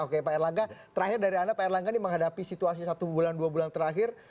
oke pak erlangga terakhir dari anda pak erlangga ini menghadapi situasi satu bulan dua bulan terakhir